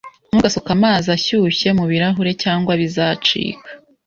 Ntugasuke amazi ashyushye mubirahure cyangwa bizacika.